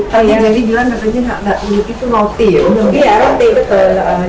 tadi jadi jualan katanya luti itu roti ya iya roti betul